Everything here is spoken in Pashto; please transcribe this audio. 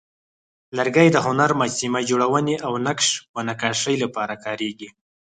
لرګی د هنر، مجسمه جوړونې، او نقش و نقاشۍ لپاره کارېږي.